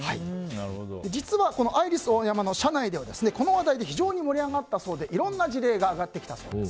実は、このアイリスオーヤマの社内ではこの話題で非常に盛り上がったそうでいろんな事例が上がってきたそうです。